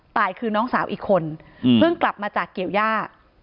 ตายคือน้องสาวอีกคนเพิ่งกลับมาจากเกี่ยวย่า